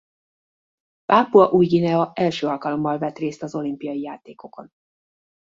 Pápua Új-Guinea első alkalommal vett részt az olimpiai játékokon.